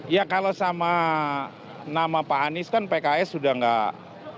ya kalau sama nama pak anies kan pks sudah nggak